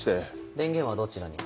電源はどちらに？